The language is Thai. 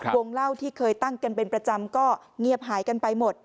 วงเล่าที่เคยตั้งกันเป็นประจำก็เงียบหายกันไปหมด